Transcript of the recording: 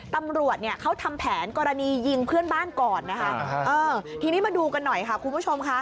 ตำรวจเขาทำแผนกรณียิงเพื่อนบ้านก่อนทีนี้มาดูกันหน่อยค่ะคุณผู้ชม